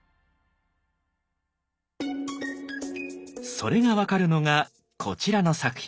それが分かるのがこちらの作品。